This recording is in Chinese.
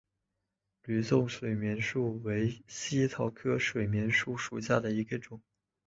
吕宋水锦树为茜草科水锦树属下的一个种。